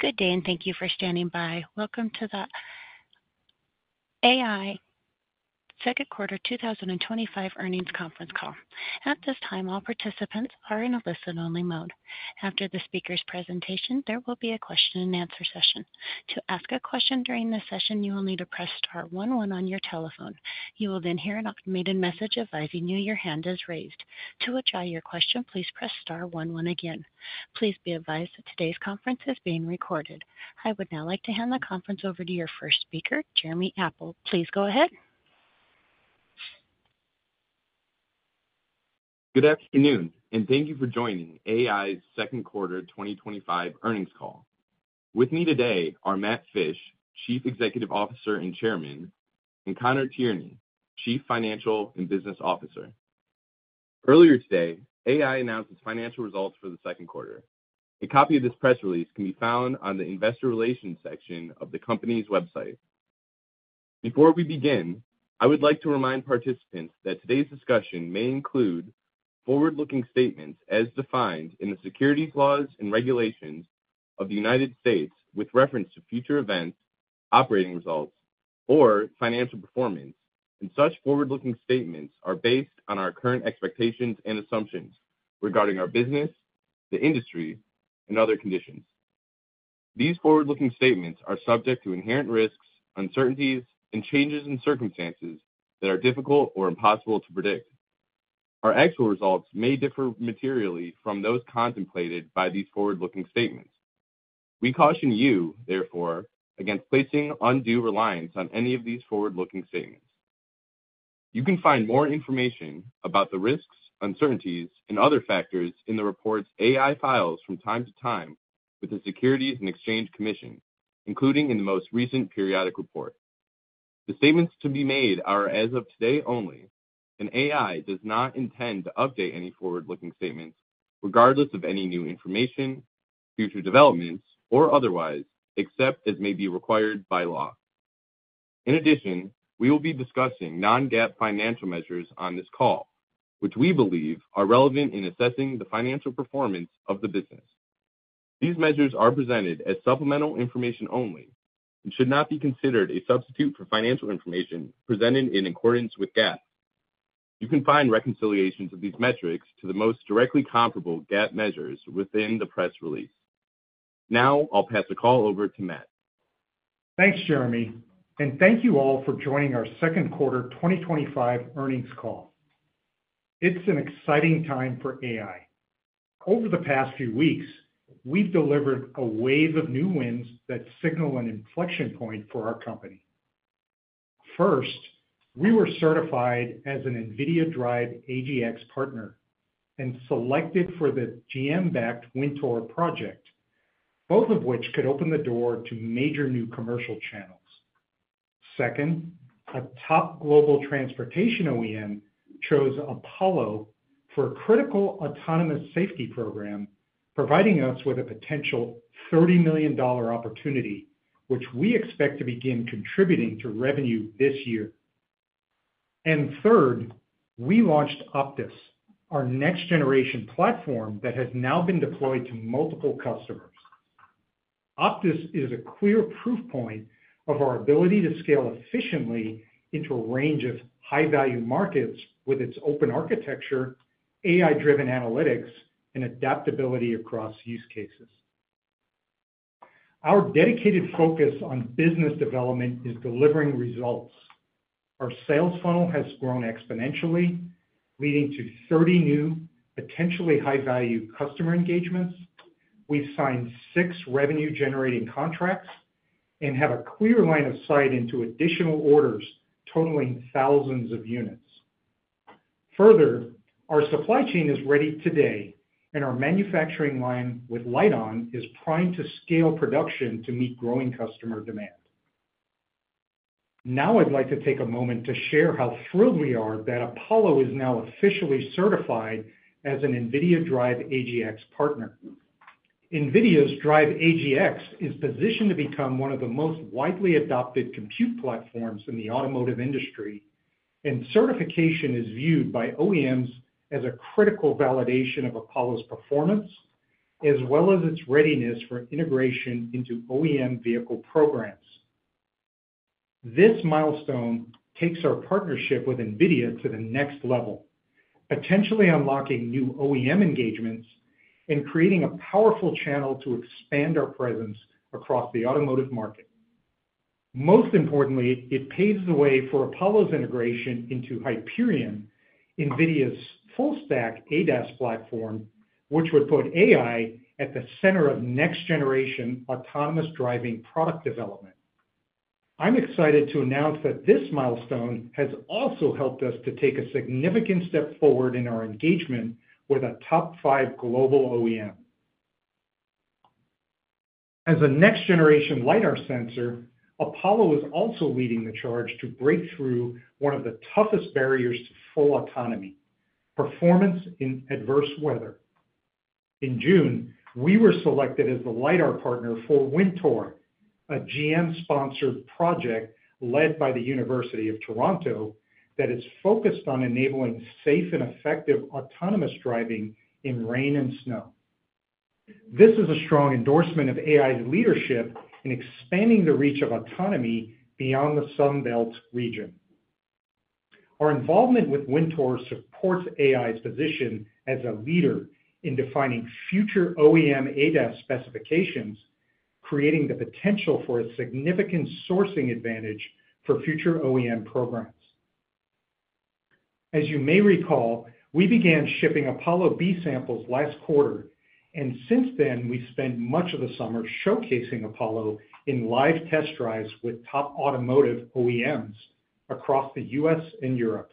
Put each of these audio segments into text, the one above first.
Good day and thank you for standing by. Welcome to the AEye Second Quarter 2025 Earnings conference call. At this time, all participants are in a listen-only mode. After the speaker's presentation, there will be a question and answer session. To ask a question during this session, you will need to press star one one on your telephone. You will then hear an automated message advising you your hand is raised. To retry your question, please press star one one again. Please be advised that today's conference is being recorded. I would now like to hand the conference over to your first speaker, Jeremy Apple. Please go ahead. Good afternoon, and thank you for joining AEye's Second Quarter 2025 Earnings call. With me today are Matt Fisch, Chief Executive Officer and Chairman, and Conor Tierney, Chief Financial and Business Officer. Earlier today, AEye announced its financial results for the second quarter. A copy of this press release can be found on the Investor Relations section of the company's website. Before we begin, I would like to remind participants that today's discussion may include forward-looking statements as defined in the securities laws and regulations of the United States with reference to future events, operating results, or financial performance. Such forward-looking statements are based on our current expectations and assumptions regarding our business, the industry, and other conditions. These forward-looking statements are subject to inherent risks, uncertainties, and changes in circumstances that are difficult or impossible to predict. Our actual results may differ materially from those contemplated by these forward-looking statements. We caution you, therefore, against placing undue reliance on any of these forward-looking statements. You can find more information about the risks, uncertainties, and other factors in the reports AEye files from time to time with the Securities and Exchange Commission, including in the most recent periodic report. The statements to be made are as of today only, and AEye does not intend to update any forward-looking statements regardless of any new information, future developments, or otherwise, except as may be required by law. In addition, we will be discussing non-GAAP financial measures on this call, which we believe are relevant in assessing the financial performance of the business. These measures are presented as supplemental information only and should not be considered a substitute for financial information presented in accordance with GAAP. You can find reconciliations of these metrics to the most directly comparable GAAP measures within the press release. Now, I'll pass the call over to Matt. Thanks, Jeremy, and thank you all for joining our Second Quarter 2025 Earnings call. It's an exciting time for AEye. Over the past few weeks, we've delivered a wave of new wins that signal an inflection point for our company. First, we were certified as an NVIDIA DRIVE AGX partner and selected for the GM-backed WinTOR project, both of which could open the door to major new commercial channels. Second, a top global transportation OEM chose Apollo for a critical autonomous safety program, providing us with a potential $30 million opportunity, which we expect to begin contributing to revenue this year. Third, we launched OPTIS, our next-generation platform that has now been deployed to multiple customers. OPTIS is a clear proof point of our ability to scale efficiently into a range of high-value markets with its open architecture, AI-driven analytics, and adaptability across use cases. Our dedicated focus on business development is delivering results. Our sales funnel has grown exponentially, leading to 30 new, potentially high-value customer engagements. We've signed six revenue-generating contracts and have a clear line of sight into additional orders totaling thousands of units. Further, our supply chain is ready today, and our manufacturing line with LITEON is primed to scale production to meet growing customer demand. Now, I'd like to take a moment to share how thrilled we are that Apollo is now officially certified as an NVIDIA DRIVE AGX partner. NVIDIA's DRIVE AGX is positioned to become one of the most widely adopted compute platforms in the automotive industry, and certification is viewed by OEMs as a critical validation of Apollo's performance, as well as its readiness for integration into OEM vehicle programs. This milestone takes our partnership with NVIDIA to the next level, potentially unlocking new OEM engagements and creating a powerful channel to expand our presence across the automotive market. Most importantly, it paves the way for Apollo's integration into Hyperion, NVIDIA's full-stack ADAS platform, which would put AEye at the center of next-generation autonomous driving product development. I'm excited to announce that this milestone has also helped us to take a significant step forward in our engagement with a top five global OEM. As a next-generation lidar sensor, Apollo is also leading the charge to break through one of the toughest barriers to full autonomy: performance in adverse weather. In June, we were selected as the lidar partner for WinTOR, a GM-sponsored project led by the University of Toronto that is focused on enabling safe and effective autonomous driving in rain and snow. This is a strong endorsement of AEye's leadership in expanding the reach of autonomy beyond the Sun Belt region. Our involvement with WinTOR supports AEye's position as a leader in defining future OEM ADAS specifications, creating the potential for a significant sourcing advantage for future OEM programs. As you may recall, we began shipping Apollo B samples last quarter, and since then, we've spent much of the summer showcasing Apollo in live test drives with top automotive OEMs across the U.S. and Europe.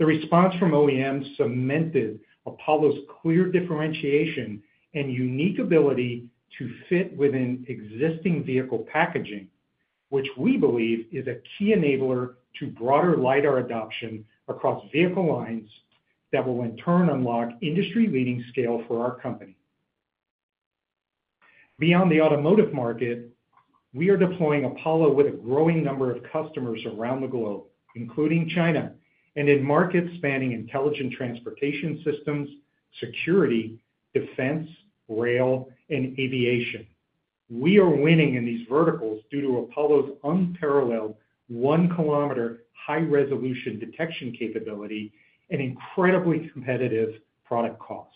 The response from OEMs cemented Apollo's clear differentiation and unique ability to fit within existing vehicle packaging, which we believe is a key enabler to broader lidar adoption across vehicle lines that will in turn unlock industry-leading scale for our company. Beyond the automotive market, we are deploying Apollo with a growing number of customers around the globe, including China, and in markets spanning intelligent transportation systems, security, defense, rail, and aviation. We are winning in these verticals due to Apollo's unparalleled 1 km high-resolution detection capability and incredibly competitive product cost.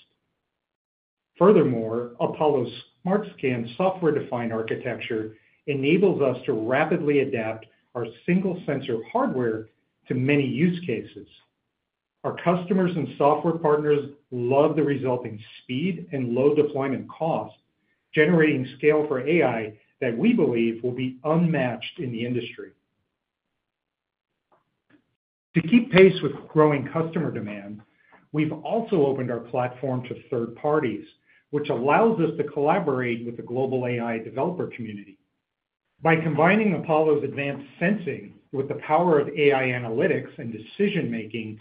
Furthermore, Apollo's smart scan software-defined architecture enables us to rapidly adapt our single-sensor hardware to many use cases. Our customers and software partners love the resulting speed and low deployment cost, generating scale for AEye that we believe will be unmatched in the industry. To keep pace with growing customer demand, we've also opened our platform to third parties, which allows us to collaborate with the global AI developer community. By combining Apollo's advanced sensing with the power of AI analytics and decision-making,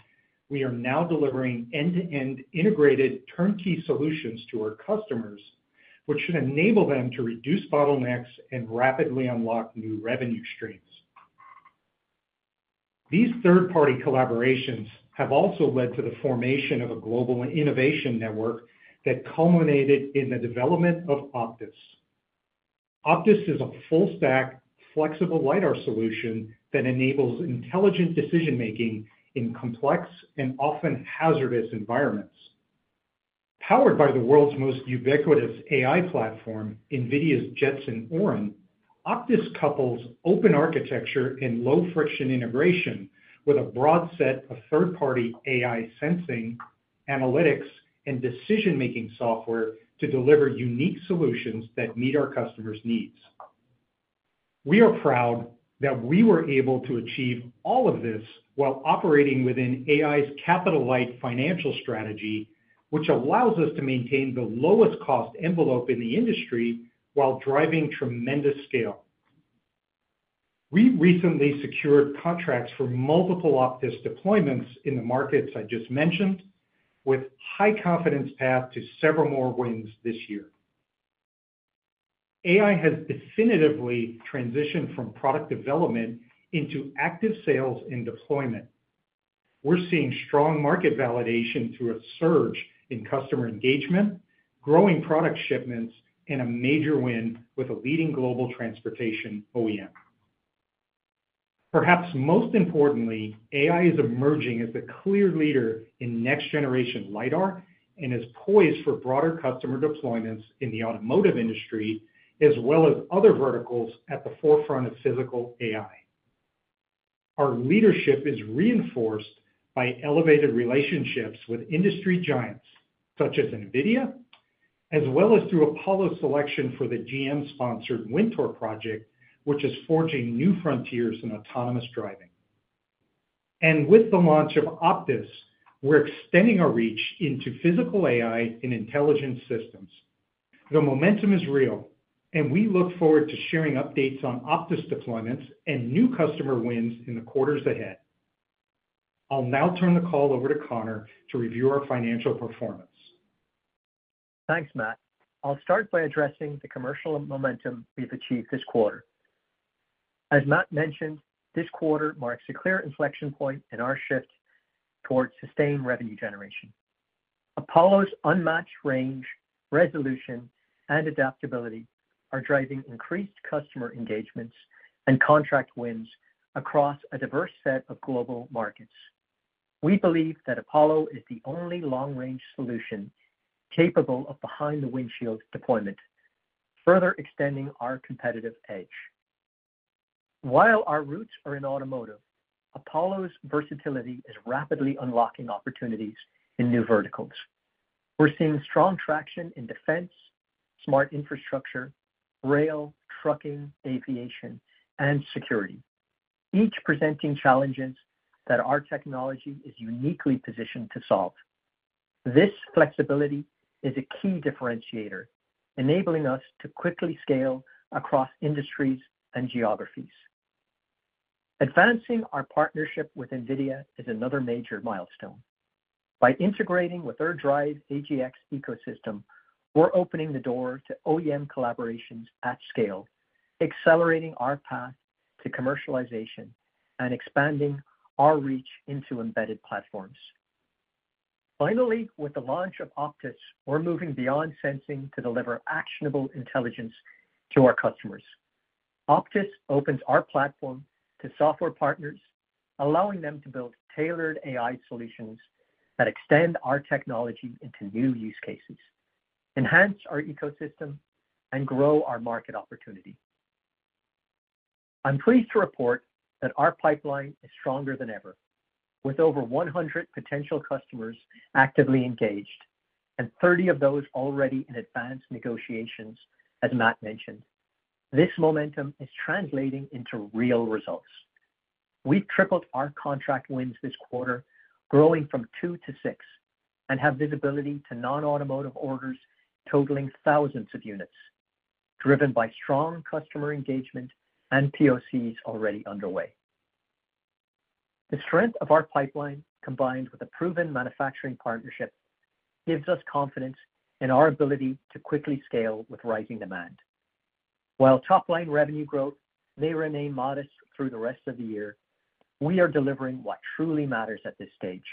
we are now delivering end-to-end integrated turnkey solutions to our customers, which should enable them to reduce bottlenecks and rapidly unlock new revenue streams. These third-party collaborations have also led to the formation of a global innovation network that culminated in the development of OPTIS. OPTIS is a full-stack, flexible lidar solution that enables intelligent decision-making in complex and often hazardous environments. Powered by the world's most ubiquitous AI platform, NVIDIA's Jetson Orin, OPTIS couples open architecture and low-friction integration with a broad set of third-party AI sensing, analytics, and decision-making software to deliver unique solutions that meet our customers' needs. We are proud that we were able to achieve all of this while operating within AEye's capital-light financial strategy, which allows us to maintain the lowest cost envelope in the industry while driving tremendous scale. We recently secured contracts for multiple OPTIS deployments in the markets I just mentioned, with a high confidence path to several more wins this year. AEye has definitively transitioned from product development into active sales and deployment. We're seeing strong market validation through a surge in customer engagement, growing product shipments, and a major win with a leading global transportation OEM. Perhaps most importantly, AEye is emerging as the clear leader in next-generation lidar and is poised for broader customer deployments in the automotive industry, as well as other verticals at the forefront of physical AI. Our leadership is reinforced by elevated relationships with industry giants, such as NVIDIA, as well as through Apollo's selection for the GM-sponsored WinTOR project, which is forging new frontiers in autonomous driving. With the launch of OPTIS, we're extending our reach into physical AI and intelligent systems. The momentum is real, and we look forward to sharing updates on OPTIS deployments and new customer wins in the quarters ahead. I'll now turn the call over to Conor to review our financial performance. Thanks, Matt. I'll start by addressing the commercial momentum we've achieved this quarter. As Matt mentioned, this quarter marks a clear inflection point in our shift towards sustained revenue generation. Apollo's unmatched range, resolution, and adaptability are driving increased customer engagements and contract wins across a diverse set of global markets. We believe that Apollo is the only long-range solution capable of behind-the-windshield deployment, further extending our competitive edge. While our roots are in automotive, Apollo's versatility is rapidly unlocking opportunities in new verticals. We're seeing strong traction in defense, smart infrastructure, rail, trucking, aviation, and security, each presenting challenges that our technology is uniquely positioned to solve. This flexibility is a key differentiator, enabling us to quickly scale across industries and geographies. Advancing our partnership with NVIDIA is another major milestone. By integrating with their DRIVE AGX ecosystem, we're opening the door to OEM collaborations at scale, accelerating our path to commercialization and expanding our reach into embedded platforms. Finally, with the launch of OPTIS, we're moving beyond sensing to deliver actionable intelligence to our customers. OPTIS opens our platform to software partners, allowing them to build tailored AI solutions that extend our technology into new use cases, enhance our ecosystem, and grow our market opportunity. I'm pleased to report that our pipeline is stronger than ever, with over 100 potential customers actively engaged and 30 of those already in advanced negotiations, as Matt mentioned. This momentum is translating into real results. We tripled our contract wins this quarter, growing from two to six, and have visibility to non-automotive orders totaling thousands of units, driven by strong customer engagement and POCs already underway. The strength of our pipeline, combined with a proven manufacturing partnership, gives us confidence in our ability to quickly scale with rising demand. While top-line revenue growth may remain modest through the rest of the year, we are delivering what truly matters at this stage: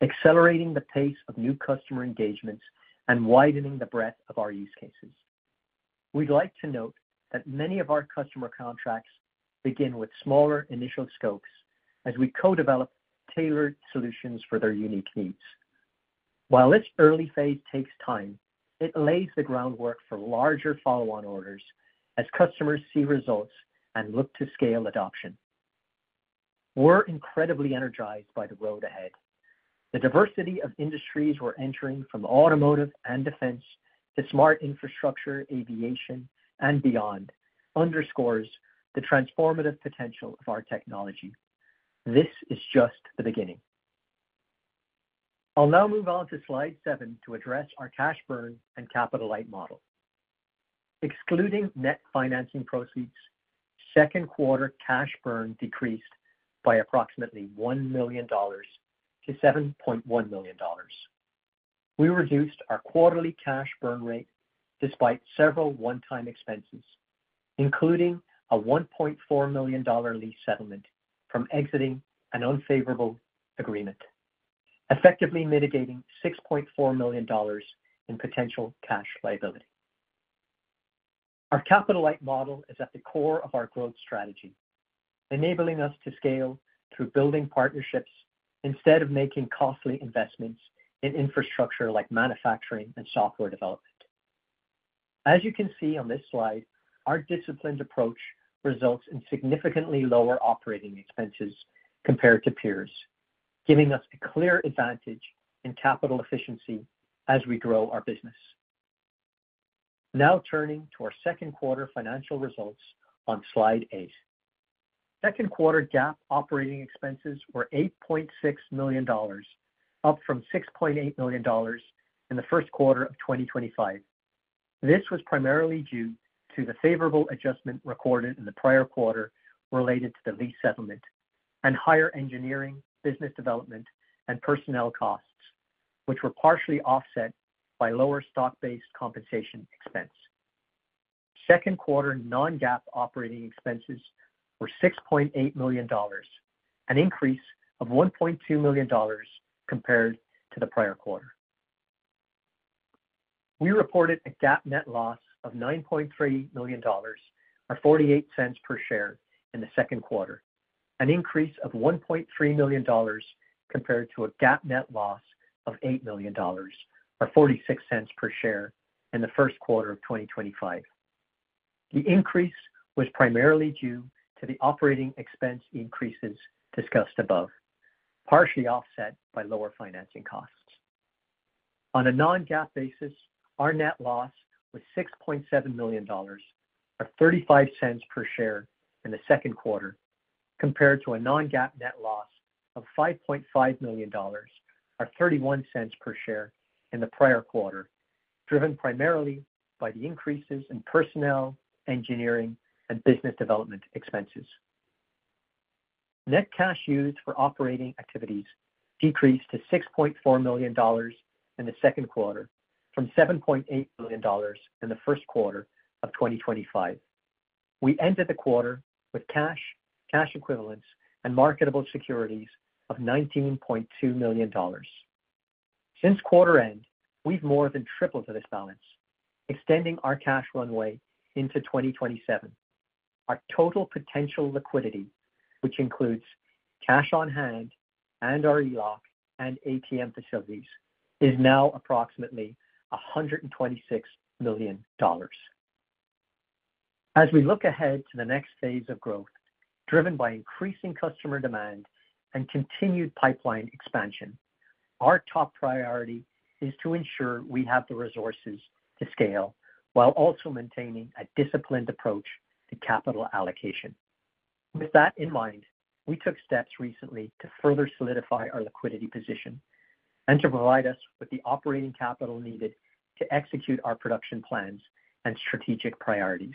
accelerating the pace of new customer engagements and widening the breadth of our use cases. We'd like to note that many of our customer contracts begin with smaller initial scopes as we co-develop tailored solutions for their unique needs. While this early phase takes time, it lays the groundwork for larger follow-on orders as customers see results and look to scale adoption. We're incredibly energized by the road ahead. The diversity of industries we're entering, from automotive and defense to smart infrastructure, aviation, and beyond, underscores the transformative potential of our technology. This is just the beginning. I'll now move on to slide seven to address our cash burn and capital-light model. Excluding net financing proceeds, second quarter cash burn decreased by approximately $1 million to $7.1 million. We reduced our quarterly cash burn rate despite several one-time expenses, including a $1.4 million lease settlement from exiting an unfavorable agreement, effectively mitigating $6.4 million in potential cash liability. Our capital-light model is at the core of our growth strategy, enabling us to scale through building partnerships instead of making costly investments in infrastructure like manufacturing and software development. As you can see on this slide, our disciplined approach results in significantly lower operating expenses compared to peers, giving us a clear advantage in capital efficiency as we grow our business. Now turning to our second quarter financial results on slide eight. Second quarter GAAP operating expenses were $8.6 million, up from $6.8 million in the first quarter of 2025. This was primarily due to the favorable adjustment recorded in the prior quarter related to the lease settlement and higher engineering, business development, and personnel costs, which were partially offset by lower stock-based compensation expense. Second quarter non-GAAP operating expenses were $6.8 million, an increase of $1.2 million compared to the prior quarter. We reported a GAAP net loss of $9.3 million, or $0.48 per share, in the second quarter, an increase of $1.3 million compared to a GAAP net loss of $8 million, or $0.46 per share, in the first quarter of 2025. The increase was primarily due to the operating expense increases discussed above, partially offset by lower financing costs. On a non-GAAP basis, our net loss was $6.7 million, or $0.35 per share, in the second quarter, compared to a non-GAAP net loss of $5.5 million, or $0.31 per share, in the prior quarter, driven primarily by the increases in personnel, engineering, and business development expenses. Net cash used for operating activities decreased to $6.4 million in the second quarter, from $7.8 million in the first quarter of 2025. We ended the quarter with cash, cash equivalents, and marketable securities of $19.2 million. Since quarter end, we've more than tripled this balance, extending our cash runway into 2027. Our total potential liquidity, which includes cash on hand and our ELOC and ATM facilities, is now approximately $126 million. As we look ahead to the next phase of growth, driven by increasing customer demand and continued pipeline expansion, our top priority is to ensure we have the resources to scale while also maintaining a disciplined approach to capital allocation. With that in mind, we took steps recently to further solidify our liquidity position and to provide us with the operating capital needed to execute our production plans and strategic priorities.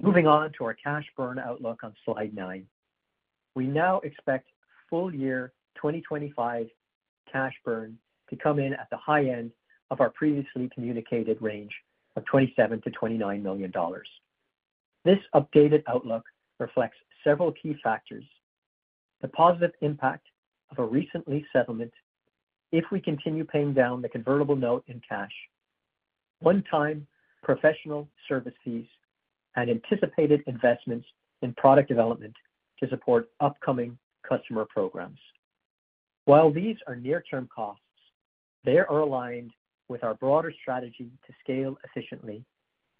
Moving on to our cash burn outlook on slide nine, we now expect full-year 2025 cash burn to come in at the high end of our previously communicated range of $27 million-$29 million. This updated outlook reflects several key factors: the positive impact of a recent lease settlement if we continue paying down the convertible note in cash, one-time professional service fees, and anticipated investments in product development to support upcoming customer programs. While these are near-term costs, they are aligned with our broader strategy to scale efficiently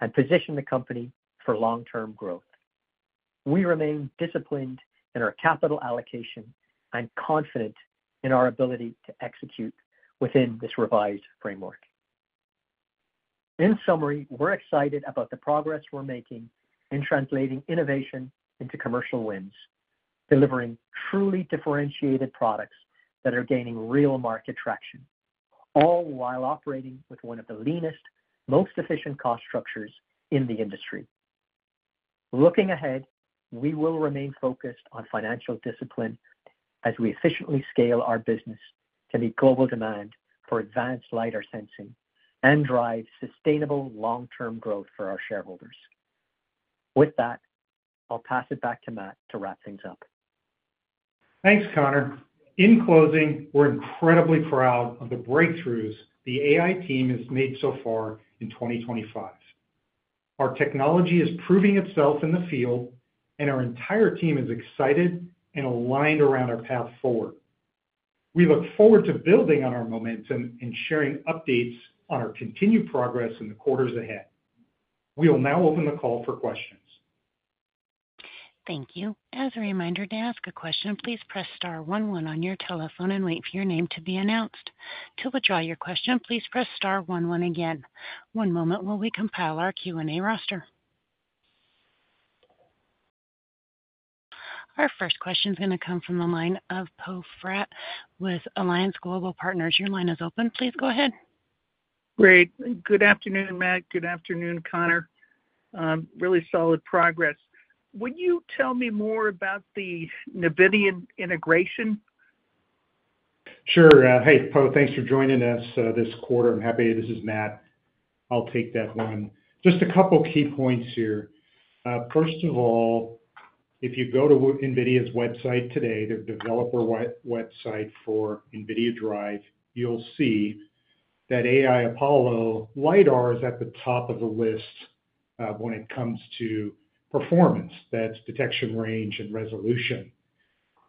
and position the company for long-term growth. We remain disciplined in our capital allocation and confident in our ability to execute within this revised framework. In summary, we're excited about the progress we're making in translating innovation into commercial wins, delivering truly differentiated products that are gaining real market traction, all while operating with one of the leanest, most efficient cost structures in the industry. Looking ahead, we will remain focused on financial discipline as we efficiently scale our business to meet global demand for advanced lidar sensing and drive sustainable long-term growth for our shareholders. With that, I'll pass it back to Matt to wrap things up. Thanks, Conor. In closing, we're incredibly proud of the breakthroughs the AEye team has made so far in 2025. Our technology is proving itself in the field, and our entire team is excited and aligned around our path forward. We look forward to building on our momentum and sharing updates on our continued progress in the quarters ahead. We will now open the call for questions. Thank you. As a reminder, to ask a question, please press star one one on your telephone and wait for your name to be announced. To withdraw your question, please press star one one again. One moment while we compile our Q&A roster. Our first question is going to come from the line of Poe Fratt with Alliance Global Partners. Your line is open. Please go ahead. Great. Good afternoon, Matt. Good afternoon, Conor. Really solid progress. Would you tell me more about the NVIDIA integration? Sure. Hey, Poe, thanks for joining us this quarter. I'm happy this is Matt. I'll take that one. Just a couple of key points here. First of all, if you go to NVIDIA's website today, the developer website for NVIDIA DRIVE, you'll see that AEye Apollo lidar is at the top of the list when it comes to performance. That's detection range and resolution.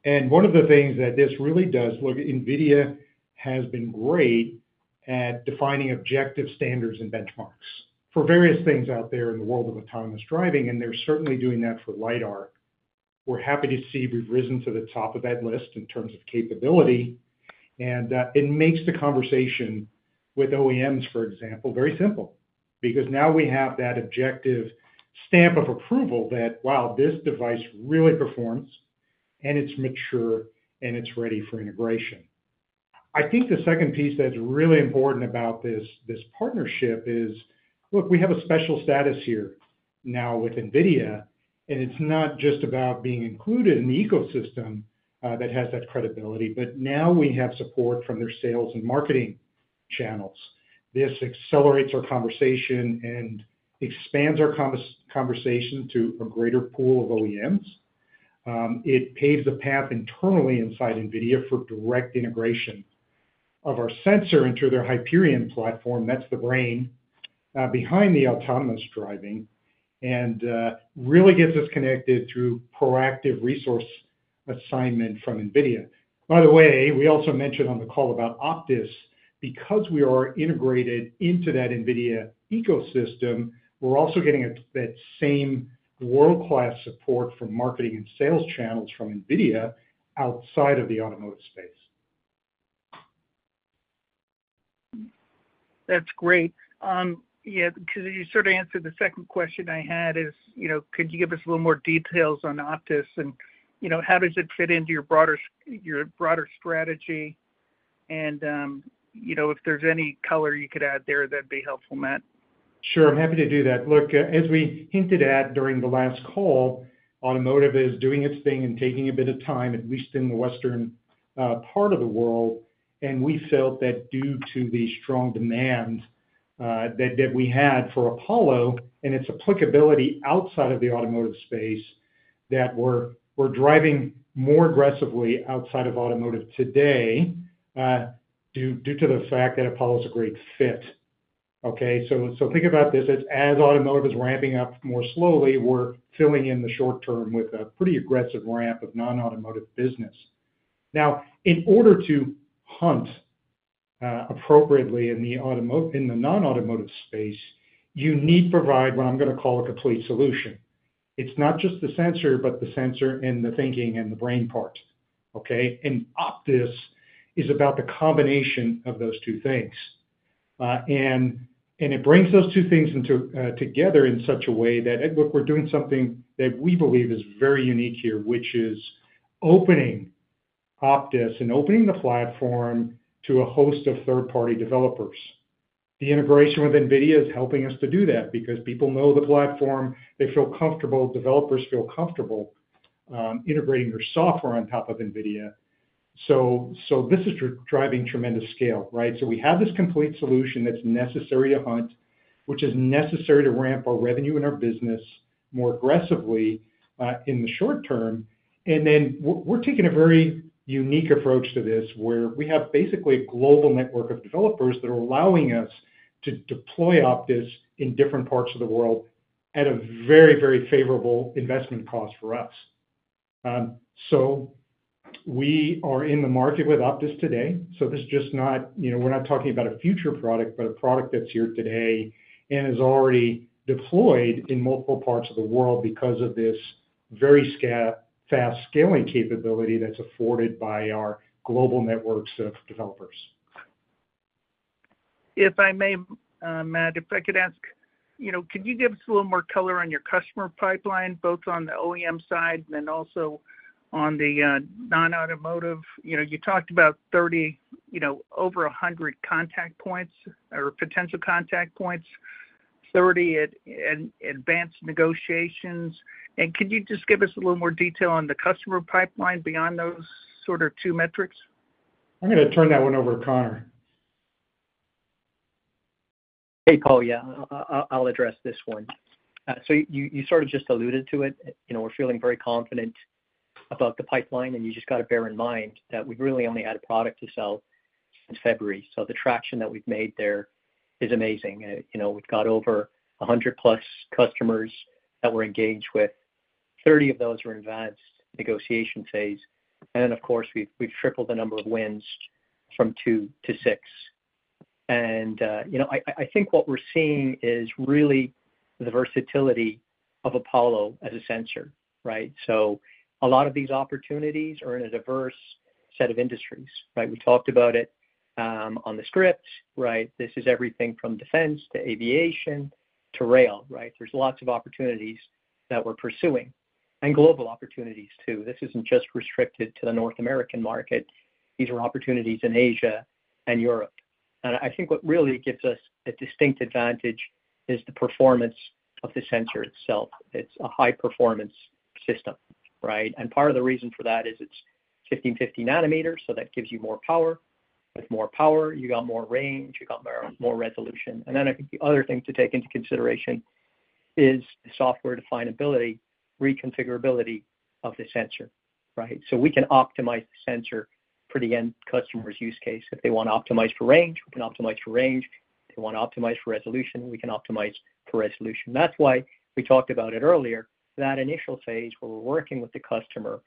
One of the things that this really does, look, NVIDIA has been great at defining objective standards and benchmarks for various things out there in the world of autonomous driving, and they're certainly doing that for lidar. We're happy to see we've risen to the top of that list in terms of capability, and it makes the conversation with OEMs, for example, very simple because now we have that objective stamp of approval that, wow, this device really performs, and it's mature, and it's ready for integration. I think the second piece that's really important about this partnership is, look, we have a special status here now with NVIDIA, and it's not just about being included in the ecosystem that has that credibility, but now we have support from their sales and marketing channels. This accelerates our conversation and expands our conversation to a greater pool of OEMs. It paves a path internally inside NVIDIA for direct integration of our sensor into their Hyperion platform. That's the brain behind the autonomous driving and really gets us connected through proactive resource assignment from NVIDIA. By the way, we also mentioned on the call about OPTIS. Because we are integrated into that NVIDIA ecosystem, we're also getting that same world-class support from marketing and sales channels from NVIDIA outside of the automotive space. That's great. You sort of answered the second question I had. Could you give us a little more details on OPTIS and how does it fit into your broader strategy? If there's any color you could add there, that'd be helpful, Matt. Sure, I'm happy to do that. Look, as we hinted at during the last call, automotive is doing its thing and taking a bit of time, at least in the western part of the world. We felt that due to the strong demand that we had for Apollo and its applicability outside of the automotive space, we're driving more aggressively outside of automotive today due to the fact that Apollo is a great fit. Think about this. As automotive is ramping up more slowly, we're filling in the short term with a pretty aggressive ramp of non-automotive business. In order to hunt appropriately in the non-automotive space, you need to provide what I'm going to call a complete solution. It's not just the sensor, but the sensor and the thinking and the brain part. OPTIS is about the combination of those two things. It brings those two things together in such a way that we're doing something that we believe is very unique here, which is opening OPTIS and opening the platform to a host of third-party developers. The integration with NVIDIA is helping us to do that because people know the platform. They feel comfortable. Developers feel comfortable integrating their software on top of NVIDIA. This is driving tremendous scale, right? We have this complete solution that's necessary to hunt, which is necessary to ramp our revenue and our business more aggressively in the short term. We're taking a very unique approach to this where we have basically a global network of developers that are allowing us to deploy OPTIS in different parts of the world at a very, very favorable investment cost for us. We are in the market with OPTIS today. This is just not, you know, we're not talking about a future product, but a product that's here today and is already deployed in multiple parts of the world because of this very fast scaling capability that's afforded by our global networks of developers. If I may, Matt, if I could ask, could you give us a little more color on your customer pipeline, both on the OEM side and also on the non-automotive? You talked about 30, over 100 contact points or potential contact points, 30 at advanced negotiations. Can you just give us a little more detail on the customer pipeline beyond those two metrics? I'm going to turn that one over to Conor. Hey, Paul. Yeah, I'll address this one. You sort of just alluded to it. We're feeling very confident about the pipeline, and you just got to bear in mind that we've really only had a product to sell since February. The traction that we've made there is amazing. We've got over 100+ customers that we're engaged with. 30 of those are in advanced negotiation phase. We've tripled the number of wins from two to six. I think what we're seeing is really the versatility of Apollo as a sensor, right? A lot of these opportunities are in a diverse set of industries. We talked about it on the script. This is everything from defense to aviation to rail. There are lots of opportunities that we're pursuing and global opportunities too. This isn't just restricted to the North American market. These are opportunities in Asia and Europe. I think what really gives us a distinct advantage is the performance of the sensor itself. It's a high-performance system. Part of the reason for that is it's 1550 nm. That gives you more power. With more power, you get more range, you get more resolution. The other thing to take into consideration is the software definability, reconfigurability of the sensor. We can optimize the sensor for the end customer's use case. If they want to optimize for range, we can optimize for range. If they want to optimize for resolution, we can optimize for resolution. That's why we talked about it earlier, that initial phase where we're working with the customer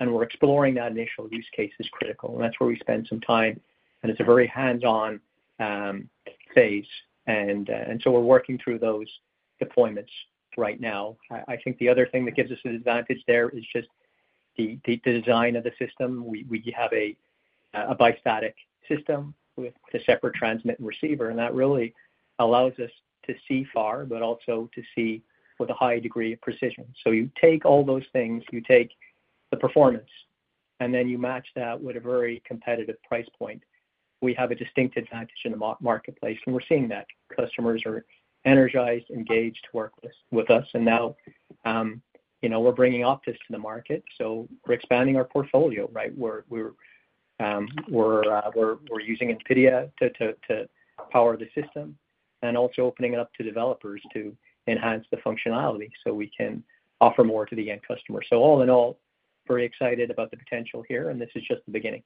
and we're exploring that initial use case is critical. That's where we spend some time, and it's a very hands-on phase. We're working through those deployments right now. I think the other thing that gives us an advantage there is just the design of the system. We have a bistatic system with a separate transmit and receiver, and that really allows us to see far, but also to see with a high degree of precision. You take all those things, you take the performance, and then you match that with a very competitive price point. We have a distinct advantage in the marketplace, and we're seeing that. Customers are energized, engaged to work with us. Now, we're bringing OPTIS to the market. We're expanding our portfolio. We're using NVIDIA to power the system and also opening it up to developers to enhance the functionality so we can offer more to the end customer. All in all, very excited about the potential here, and this is just the beginning.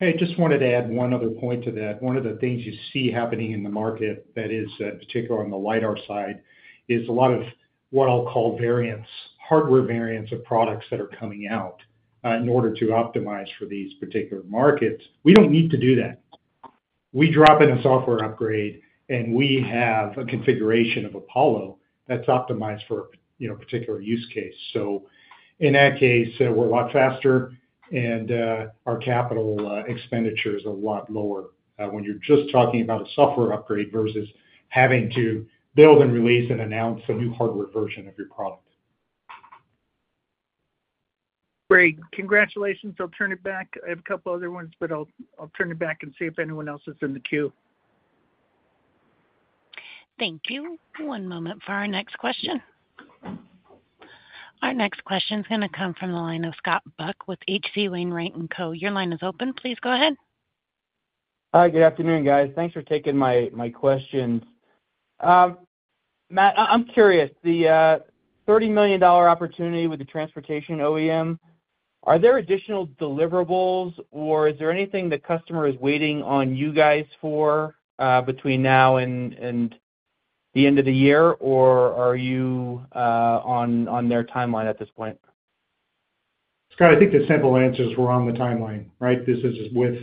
I just wanted to add one other point to that. One of the things you see happening in the market, in particular on the lidar side, is a lot of what I'll call variants, hardware variants of products that are coming out in order to optimize for these particular markets. We don't need to do that. We drop in a software upgrade, and we have a configuration of Apollo that's optimized for a particular use case. In that case, we're a lot faster, and our capital expenditure is a lot lower when you're just talking about a software upgrade versus having to build and release and announce a new hardware version of your product. Great. Congratulations. I'll turn it back. I have a couple other ones, but I'll turn it back and see if anyone else is in the queue. Thank you. One moment for our next question. Our next question is going to come from the line of Scott Buck with H.C. Wainwright & Co. Your line is open. Please go ahead. Hi, good afternoon, guys. Thanks for taking my questions. Matt, I'm curious, the $30 million opportunity with the transportation OEM, are there additional deliverables, or is there anything the customer is waiting on you guys for between now and the end of the year, or are you on their timeline at this point? Scott, I think the simple answer is we're on the timeline, right? This is with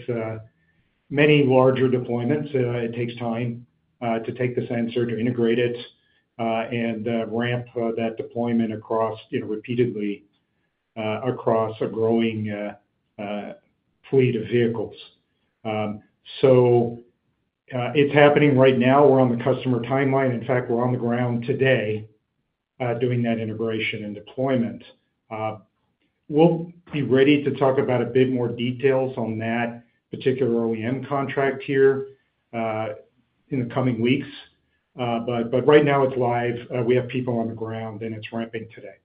many larger deployments. It takes time to take the sensor, to integrate it, and ramp that deployment across, you know, repeatedly across a growing fleet of vehicles. It's happening right now. We're on the customer timeline. In fact, we're on the ground today doing that integration and deployment. We'll be ready to talk about a bit more details on that particular OEM contract here in the coming weeks. Right now, it's live. We have people on the ground, and it's ramping today.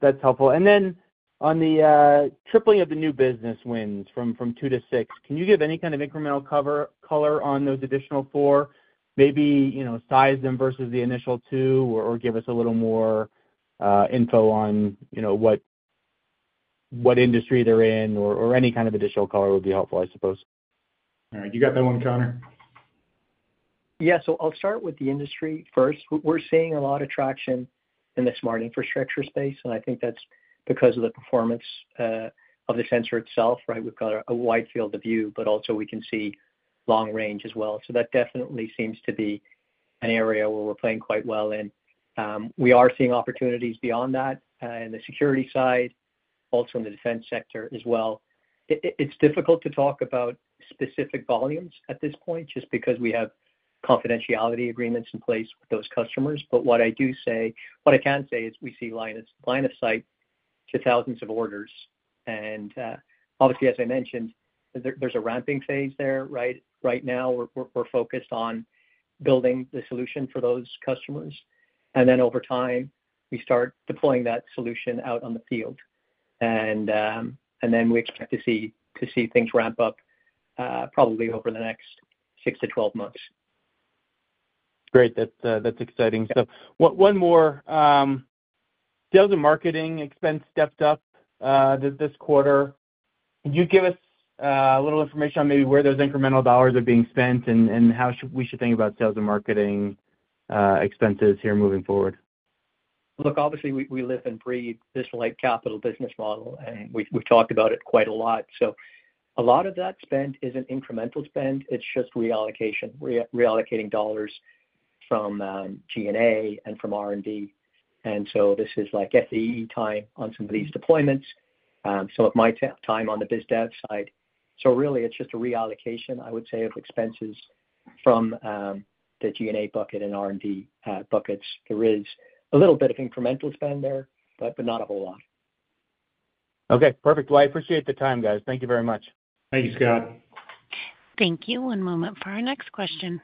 That's helpful. On the tripling of the new business wins from two to six, can you give any kind of incremental color on those additional four? Maybe size them versus the initial two or give us a little more info on what industry they're in or any kind of additional color would be helpful, I suppose. All right. You got that one, Conor? Yeah, I'll start with the industry first. We're seeing a lot of traction in the smart infrastructure space, and I think that's because of the performance of the sensor itself, right? We've got a wide field of view, but also we can see long range as well. That definitely seems to be an area where we're playing quite well in. We are seeing opportunities beyond that in the security side, also in the defense sector as well. It's difficult to talk about specific volumes at this point just because we have confidentiality agreements in place with those customers. What I can say is we see line of sight to thousands of orders. Obviously, as I mentioned, there's a ramping phase there, right? Right now, we're focused on building the solution for those customers. Over time, we start deploying that solution out on the field, and we expect to see things ramp up probably over the next 6 to 12 months. Great. That's exciting. One more. Sales and marketing expense stepped up this quarter. Could you give us a little information on maybe where those incremental dollars are being spent and how we should think about sales and marketing expenses here moving forward? Obviously, we live and breathe this capital-light business model, and we've talked about it quite a lot. A lot of that spend isn't incremental spend. It's just reallocation, reallocating dollars from G&A and from R&D. This is like FEE time on some of these deployments, some of my time on the biz dev side. Really, it's just a reallocation, I would say, of expenses from the G&A bucket and R&D buckets. There is a little bit of incremental spend there, but not a whole lot. Okay. Perfect. I appreciate the time, guys. Thank you very much. Thank you, Scott. Thank you. One moment for our next question.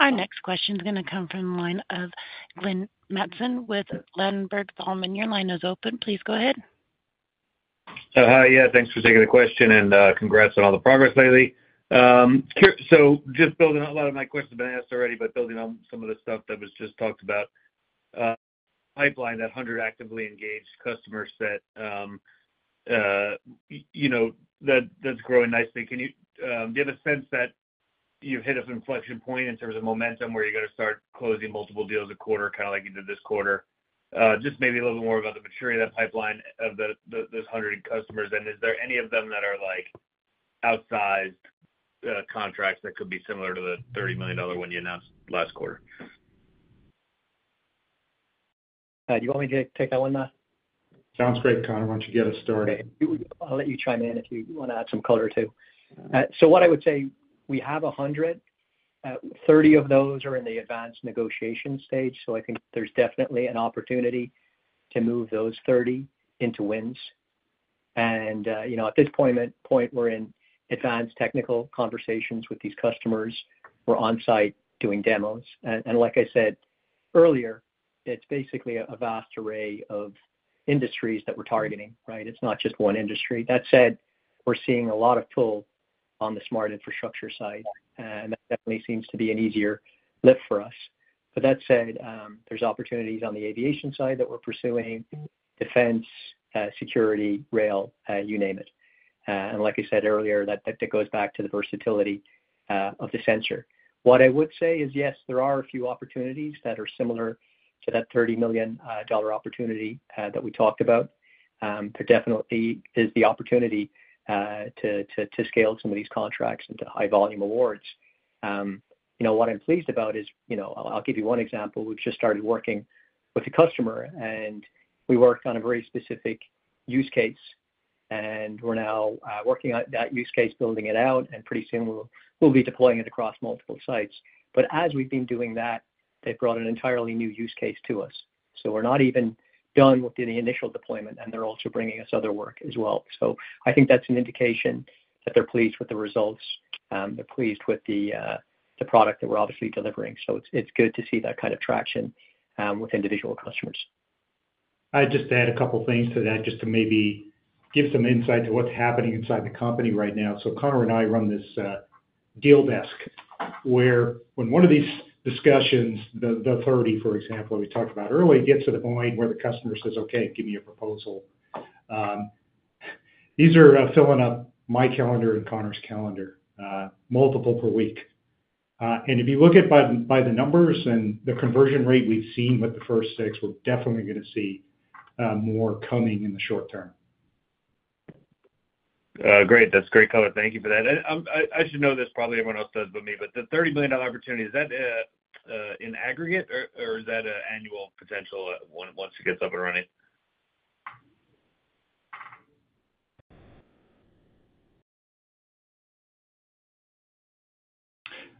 Our next question is going to come from the line of Glenn Mattson with Ladenburg Thalmann. Your line is open. Please go ahead. Oh, hi. Yeah, thanks for taking the question and congrats on all the progress lately. Just building on a lot of my questions have been asked already, but building on some of the stuff that was just talked about, pipeline, that 100 actively engaged customers, that, you know, that's growing nicely. Do you have a sense that you've hit an inflection point in terms of momentum where you got to start closing multiple deals a quarter, kind of like you did this quarter? Maybe a little bit more about the maturity of that pipeline of those 100 customers. Is there any of them that are like outsized contracts that could be similar to the $30 million one you announced last quarter? You want me to take that one, Matt? Sounds great, Conor. Why don't you get us started? I'll let you chime in if you want to add some color too. What I would say, we have 100. Thirty of those are in the advanced negotiation stage. I think there's definitely an opportunity to move those 30 into wins. At this point, we're in advanced technical conversations with these customers. We're on site doing demos. Like I said earlier, it's basically a vast array of industries that we're targeting, right? It's not just one industry. That said, we're seeing a lot of pull on the smart infrastructure side, and that definitely seems to be an easier lift for us. There are opportunities on the aviation side that we're pursuing, defense, security, rail, you name it. Like I said earlier, that goes back to the versatility of the sensor. What I would say is, yes, there are a few opportunities that are similar to that $30 million opportunity that we talked about. There definitely is the opportunity to scale some of these contracts into high-volume awards. What I'm pleased about is, I'll give you one example. We've just started working with a customer, and we worked on a very specific use case, and we're now working on that use case, building it out, and pretty soon we'll be deploying it across multiple sites. As we've been doing that, they've brought an entirely new use case to us. We're not even done with the initial deployment, and they're also bringing us other work as well. I think that's an indication that they're pleased with the results. They're pleased with the product that we're obviously delivering. It's good to see that kind of traction with individual customers. I'd just add a couple of things to that, just to maybe give some insight to what's happening inside the company right now. Conor and I run this deal desk where when one of these discussions, the 30, for example, that we talked about earlier, gets to the point where the customer says, "Okay, give me a proposal." These are filling up my calendar and Conor's calendar, multiple per week. If you look at by the numbers and the conversion rate we've seen with the first six, we're definitely going to see more coming in the short term. Great. That's great color. Thank you for that. I should know this, probably everyone else does but me, but the $30 million opportunity, is that in aggregate or is that an annual potential once it gets up and running?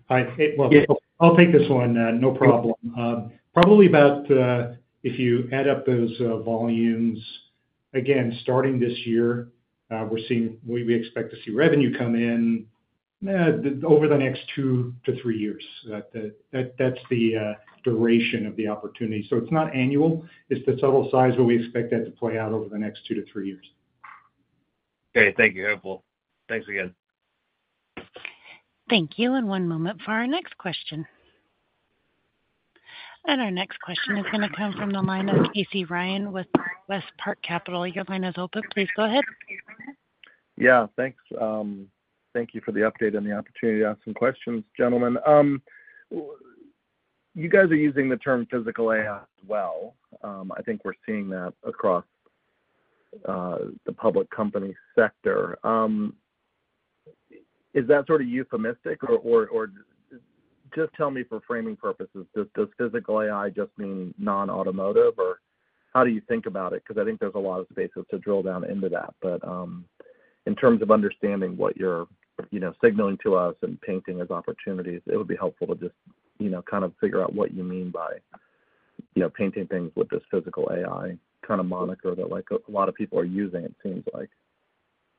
I'll take this one. No problem. Probably about, if you add up those volumes, again, starting this year, we expect to see revenue come in over the next two to three years. That's the duration of the opportunity. It's not annual. It's the total size where we expect that to play out over the next two to three years. Okay. Thank you. Helpful. Thanks again. Thank you. One moment for our next question. Our next question is going to come from the line of Casey Ryan with WestPark Capital. Your line is open. Please go ahead. Yeah, thanks. Thank you for the update and the opportunity to ask some questions, gentlemen. You guys are using the term physical AI well. I think we're seeing that across the public company sector. Is that sort of euphemistic, or just tell me for framing purposes, does physical AI just mean non-automotive, or how do you think about it? I think there's a lot of spaces to drill down into that. In terms of understanding what you're signaling to us and painting as opportunities, it would be helpful to kind of figure out what you mean by painting things with this physical AI kind of moniker that a lot of people are using, it seems like.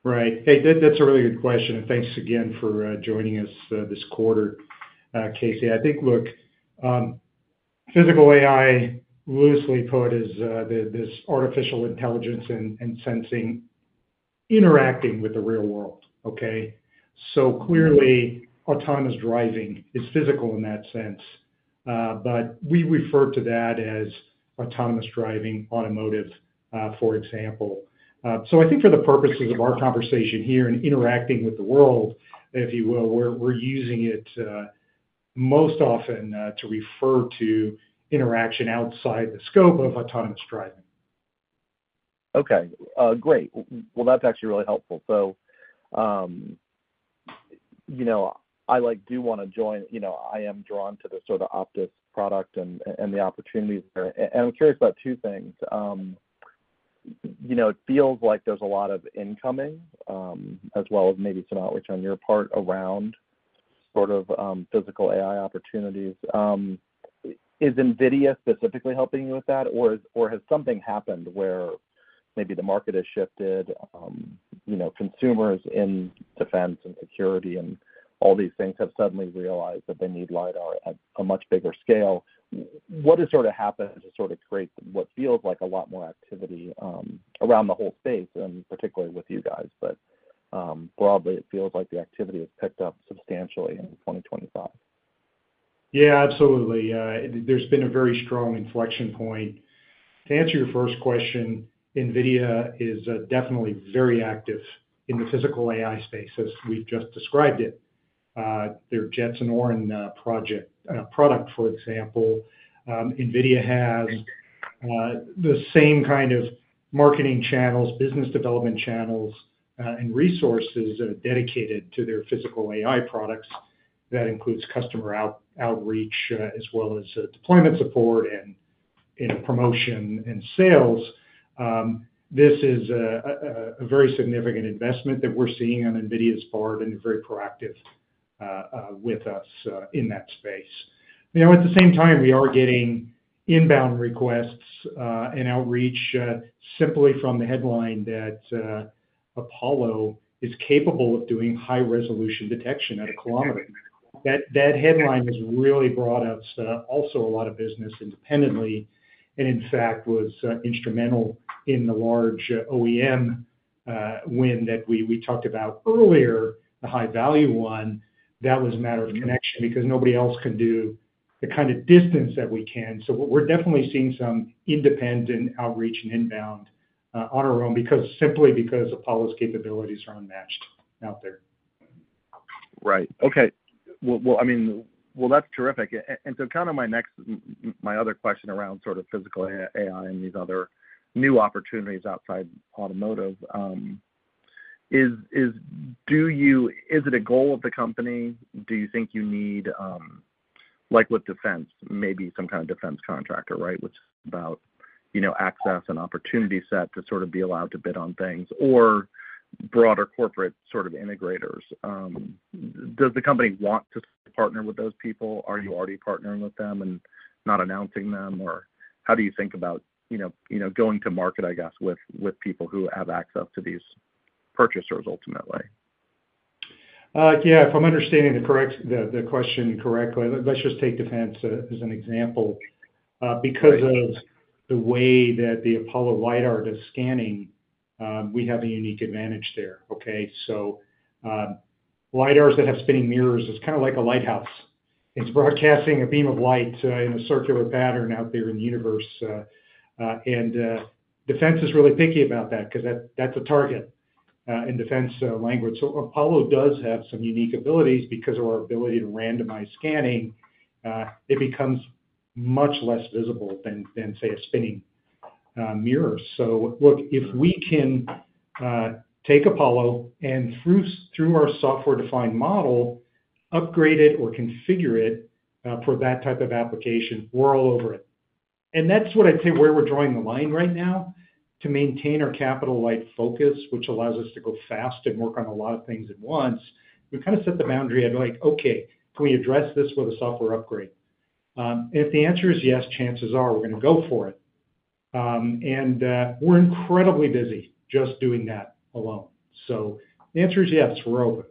Right. Hey, that's a really good question. Thanks again for joining us this quarter, Casey. I think, look, physical AI, loosely put, is this artificial intelligence and sensing interacting with the real world, okay? Clearly, autonomous driving is physical in that sense. We refer to that as autonomous driving, automotive, for example. I think for the purposes of our conversation here and interacting with the world, if you will, we're using it most often to refer to interaction outside the scope of autonomous driving. Okay. That's actually really helpful. I do want to join. I am drawn to the sort of the OPTIS product and the opportunities there. I'm curious about two things. It feels like there's a lot of incoming, as well as maybe some outreach on your part around sort of physical AI opportunities. Is NVIDIA specifically helping you with that, or has something happened where maybe the market has shifted? Consumers in defense and security and all these things have suddenly realized that they need lidar at a much bigger scale. What has sort of happened to create what feels like a lot more activity around the whole space, and particularly with you guys, but broadly, it feels like the activity has picked up substantially in 2025. Yeah, absolutely. There's been a very strong inflection point. To answer your first question, NVIDIA is definitely very active in the physical AI space, as we've just described it. Their Jetson Orin product, for example, NVIDIA has the same kind of marketing channels, business development channels, and resources dedicated to their physical AI products. That includes customer outreach, as well as deployment support and promotion and sales. This is a very significant investment that we're seeing on NVIDIA's part, and they're very proactive with us in that space. At the same time, we are getting inbound requests and outreach simply from the headline that Apollo is capable of doing high-resolution detection at 1 km. That headline has really brought us also a lot of business independently, and in fact, was instrumental in the large OEM win that we talked about earlier, the high-value one. That was a matter of connection because nobody else can do the kind of distance that we can. We're definitely seeing some independent outreach and inbound on our own simply because Apollo's capabilities are unmatched out there. Right. Okay. That's terrific. My next, my other question around sort of physical AI and these other new opportunities outside automotive is, do you, is it a goal of the company? Do you think you need, like with defense, maybe some kind of defense contractor, which is about access and opportunity set to sort of be allowed to bid on things, or broader corporate integrators? Does the company want to partner with those people? Are you already partnering with them and not announcing them, or how do you think about going to market with people who have access to these purchasers ultimately? Yeah, if I'm understanding the question correctly, let's just take defense as an example. Because of the way that the Apollo lidar is scanning, we have a unique advantage there, okay? lidars that have spinning mirrors, it's kind of like a lighthouse. It's broadcasting a beam of light in a circular pattern out there in the universe. Defense is really picky about that because that's a target in defense language. Apollo does have some unique abilities because of our ability to randomize scanning. It becomes much less visible than, say, a spinning mirror. If we can take Apollo and through our software-defined model, upgrade it or configure it for that type of application, we're all over it. That's what I'd say where we're drawing the line right now to maintain our capital-light focus, which allows us to go fast and work on a lot of things at once. We kind of set the boundary at like, okay, can we address this with a software upgrade? If the answer is yes, chances are we're going to go for it. We're incredibly busy just doing that alone. The answer is yes, we're over.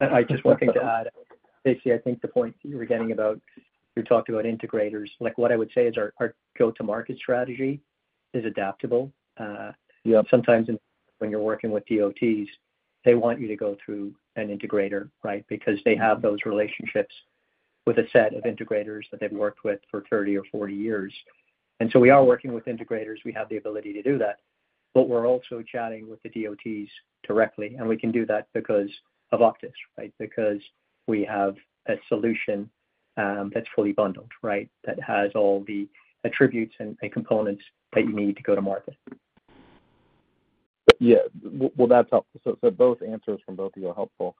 I just wanted to add, Casey, I think the points that you were getting about, you talked about integrators. What I would say is our go-to-market strategy is adaptable. Sometimes when you're working with DOTs, they want you to go through an integrator, right? They have those relationships with a set of integrators that they've worked with for 30 or 40 years. We are working with integrators. We have the ability to do that. We're also chatting with the DOTs directly, and we can do that because of OPTIS, right? We have a solution that's fully bundled, right? That has all the attributes and components that you need to go to market. That's helpful. Both answers from both of you are helpful.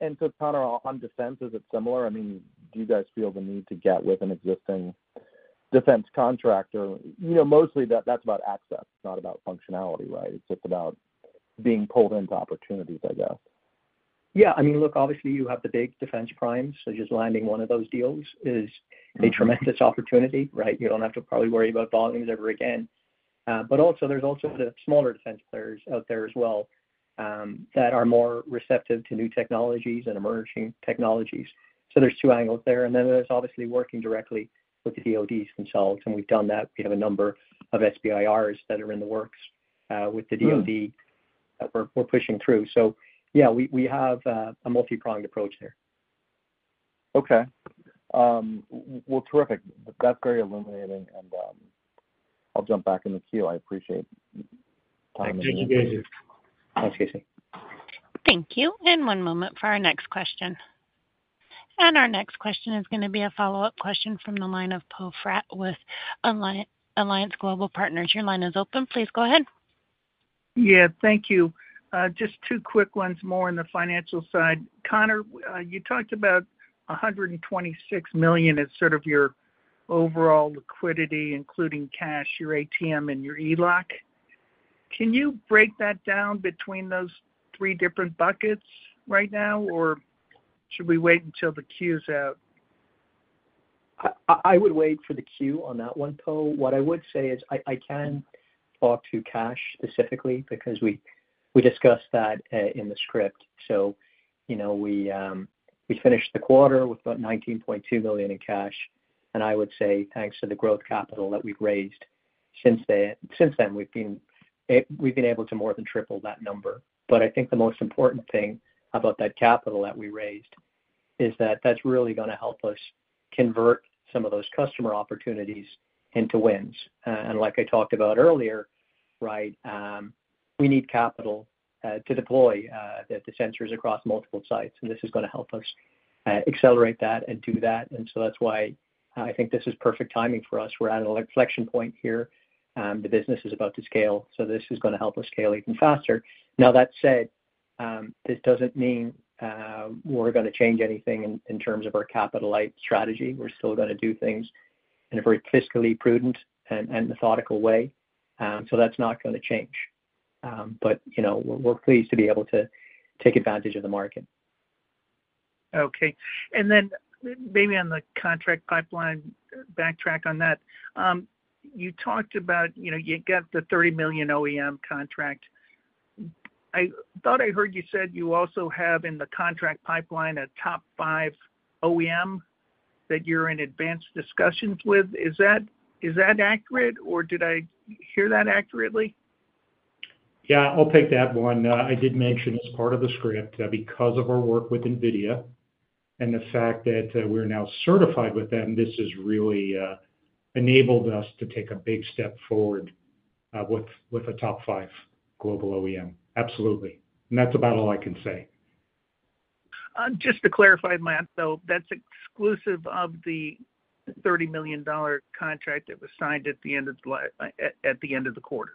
To Conor, on defense, is it similar? Do you guys feel the need to get with an existing defense contractor? Mostly that's about access, not about functionality, right? It's just about being pulled into opportunities, I guess. Yeah, I mean, look, obviously, you have the big defense primes, so just landing one of those deals is a tremendous opportunity, right? You don't have to probably worry about volumes ever again. There are also the smaller defense players out there as well that are more receptive to new technologies and emerging technologies. There are two angles there. There is obviously working directly with the DODs themselves, and we've done that. We have a number of SBIRs that are in the works with the DOD that we're pushing through. We have a multipronged approach there. Okay. That's very illuminating, and I'll jump back in the queue. I appreciate talking with you. Thank you, too, Casey. Thanks, Casey. Thank you. One moment for our next question. Our next question is going to be a follow-up question from the line of Poe Fratt with Alliance Global Partners. Your line is open. Please go ahead. Yeah, thank you. Just two quick ones more on the financial side. Conor, you talked about $126 million as sort of your overall liquidity, including cash, your ATM, and your ELOC. Can you break that down between those three different buckets right now, or should we wait until the queue's out? I would wait for the queue on that one, Poe. What I would say is I can talk to cash specifically because we discussed that in the script. We finished the quarter with about $19.2 million in cash. I would say thanks to the growth capital that we've raised since then, we've been able to more than triple that number. I think the most important thing about that capital that we raised is that that's really going to help us convert some of those customer opportunities into wins. Like I talked about earlier, we need capital to deploy the sensors across multiple sites, and this is going to help us accelerate that and do that. That is why I think this is perfect timing for us. We're at an inflection point here. The business is about to scale, so this is going to help us scale even faster. That said, this doesn't mean we're going to change anything in terms of our capital-light strategy. We're still going to do things in a very fiscally prudent and methodical way. That's not going to change. We're pleased to be able to take advantage of the market. Okay. Maybe on the contract pipeline, backtrack on that. You talked about, you know, you got the $30 million OEM contract. I thought I heard you said you also have in the contract pipeline a top five OEM that you're in advanced discussions with. Is that accurate, or did I hear that accurately? I'll take that one. I did mention as part of the script, because of our work with NVIDIA and the fact that we're now certified with them, this has really enabled us to take a big step forward with a top five global OEM. Absolutely. That's about all I can say. Just to clarify, Matt, that's exclusive of the $30 million contract that was signed at the end of the quarter.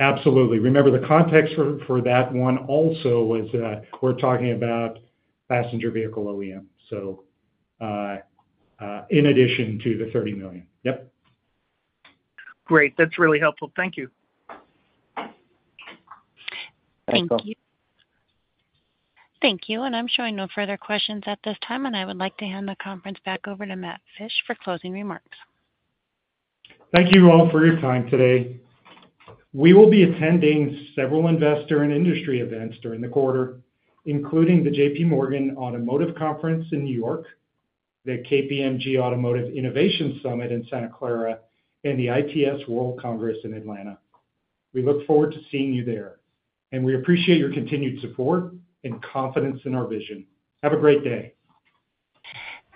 Absolutely. Remember, the context for that one also was we're talking about passenger vehicle OEM, so in addition to the $30 million. Yep. Great. That's really helpful. Thank you. Thank you. I'm showing no further questions at this time, and I would like to hand the conference back over to Matt Fisch for closing remarks. Thank you all for your time today. We will be attending several investor and industry events during the quarter, including the JPMorgan Automotive Conference in New York, the KPMG Automotive Innovation Summit in Santa Clara, and the IPS World Congress in Atlanta. We look forward to seeing you there, and we appreciate your continued support and confidence in our vision. Have a great day.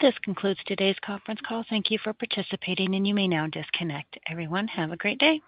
This concludes today's conference call. Thank you for participating, and you may now disconnect. Everyone, have a great day.